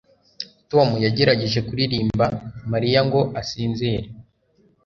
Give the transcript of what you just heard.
Tom yagerageje kuririmba Mariya ngo asinzire